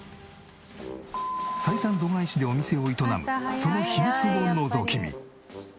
採算度外視でお店を営むその秘密をのぞき見。